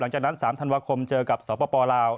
หลังจากนั้น๓ธันวาคมเจอกับสปลาว